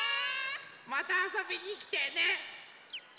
またあそびにきてね！